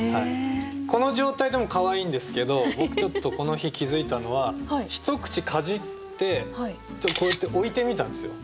この状態でもかわいいんですけど僕ちょっとこの日気付いたのは一口かじってこうやって置いてみたんですよ。